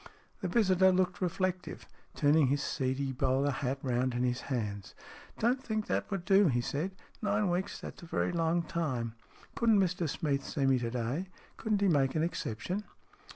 The visitor looked reflective, turning his seedy bowler hat round in his hands. "Don't think that would do," he said. "Nine weeks that's a very long time. Couldn't Mr Smeath see me to day? Couldn't he make an exception